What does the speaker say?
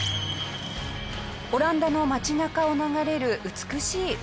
オランダの街中を流れる美しい運河。